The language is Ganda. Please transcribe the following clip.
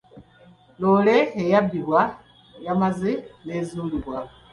Loole eyabbibwa yamaze n'ezuulibwa.